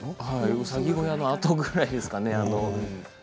うさぎ小屋のあとぐらいからですかね。